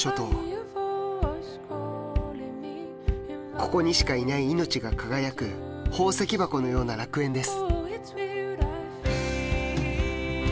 ここにしかいない命が輝く宝石箱のような楽園です。